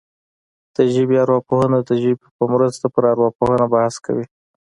د ژبې ارواپوهنه د ژبې په مرسته پر ارواپوهنه بحث کوي